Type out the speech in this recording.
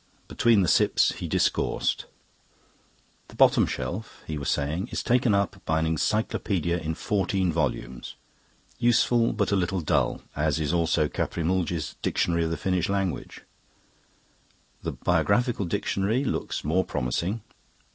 Between the sips he discoursed. "The bottom shelf," he was saying, "is taken up by an Encyclopaedia in fourteen volumes. Useful, but a little dull, as is also Caprimulge's 'Dictionary of the Finnish Language'. The 'Biographical Dictionary' looks more promising.